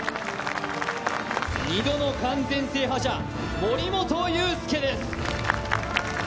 ２度の完全制覇者・森本裕介です。